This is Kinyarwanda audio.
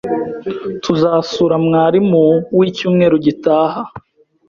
Tuzasura mwarimu wicyumweru gitaha